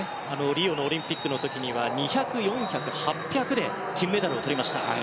リオのオリンピックの時には２００、４００、８００で金メダルをとりました。